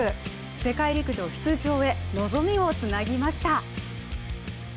世界陸上出場へ望みをつなぎました。